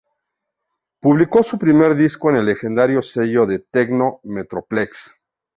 Publicó su primer disco en el legendario sello de techno Metroplex.